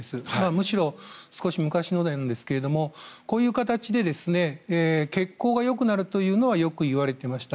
むしろ少し昔のですがこういう形で血行がよくなるというのはよく言われていました。